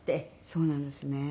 そうなんですね。